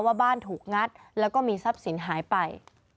ว่าบ้านถูกงัดแล้วก็มีทรัพย์สินหายไป